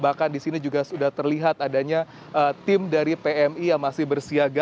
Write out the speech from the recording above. bahkan di sini juga sudah terlihat adanya tim dari pmi yang masih bersiaga